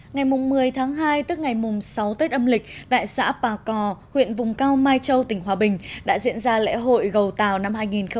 ngày một mươi tháng hai tức ngày sáu tết âm lịch tại xã bà cò huyện vùng cao mai châu tỉnh hòa bình đã diễn ra lễ hội gầu tàu năm hai nghìn hai mươi